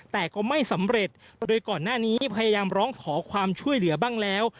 แต่ก็ไม่สำเร็จโดยก่อนหน้านี้พยายามร้องขอความช่วยเหลือบ้างแล้ว